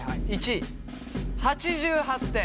１位８８点。